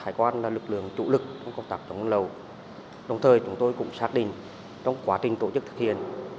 hải quan là lực lượng chủ lực trong công tác trọng điệm lầu đồng thời chúng tôi cũng xác định trong quá trình tổ chức thực hiện